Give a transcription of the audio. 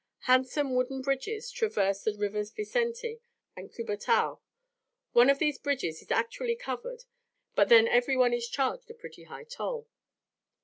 Handsome wooden bridges traverse the rivers Vicente and Cubatao; one of these bridges is actually covered, but then every one is charged a pretty high toll.